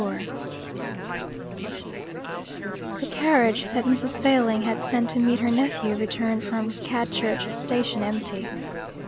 XXXIV The carriage that Mrs. Failing had sent to meet her nephew returned from Cadchurch station empty.